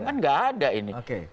kan nggak ada ini